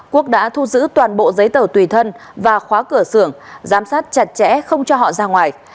quốc đã thu giữ toàn bộ giấy tờ tùy thân và khóa cửa xưởng giám sát chặt chẽ không cho họ ra ngoài